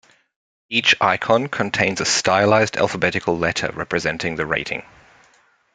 Each icon contains a stylized alphabetical letter representing the rating.